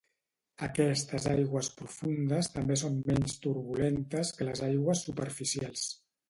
Aquestes aigües profundes també són menys turbulentes que les aigües superficials.